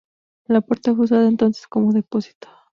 La puerta fue usada entonces como depósito.